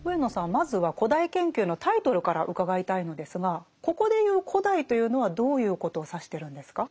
まずは「古代研究」のタイトルから伺いたいのですがここで言う「古代」というのはどういうことを指してるんですか？